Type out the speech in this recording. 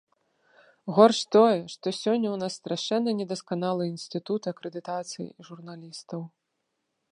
Горш тое, што сёння ў нас страшэнна недасканалы інстытут акрэдытацыі журналістаў.